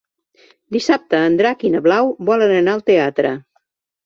Dissabte en Drac i na Blau volen anar al teatre.